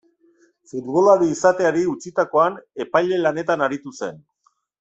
Futbolari izateari utzitakoan, epaile lanetan aritu zen.